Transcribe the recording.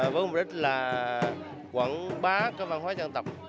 với mục đích là quảng bá các văn hóa dân tập